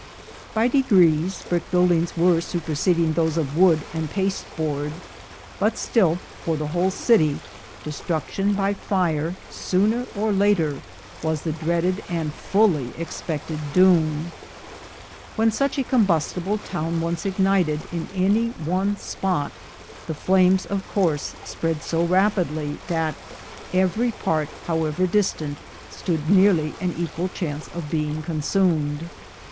By degrees, brick buildings were superseding those of wood and pasteboard; but still, for the whole city, destruction by fire, sooner or later, was the dreaded and fully expected doom. When such a combustible town once ignited in any one spot, the flames, of course, spread so rapidly that every part, however distant, stood nearly an equal chance of being consumed.